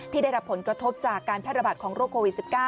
ได้รับผลกระทบจากการแพร่ระบาดของโรคโควิด๑๙